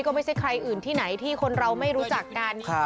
ก็ไม่ใช่ใครอื่นที่ไหนที่คนเราไม่รู้จักกัน